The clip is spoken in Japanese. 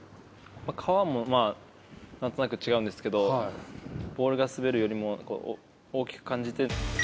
皮もなんとなく違うんですけど、ボールが滑るよりも大きく感じて。